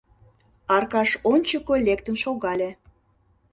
— Аркаш ончыко лектын шогале.